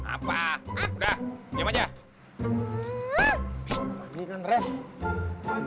apa udah gimana